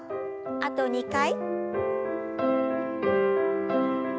あと２回。